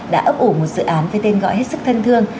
đã ấp ủ một dự án với tên gọi hết sức thân thương